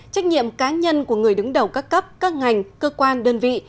trách nhiệm cá nhân của người đứng đầu các cấp các ngành cơ quan đơn vị